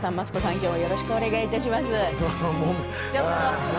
今日はよろしくお願いいたします何？